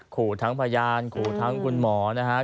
ขู่ทั้งพยานขู่ทั้งคุณหมอนะครับ